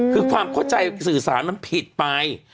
คือความเข้าใจสื่อสารมันผิดไป